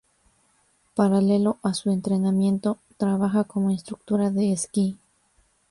Paralelo a su entrenamiento, trabaja como instructora de esquí.